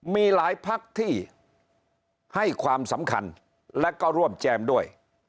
มีหลายพักที่ให้ความสำคัญและก็ร่วมแจมด้วย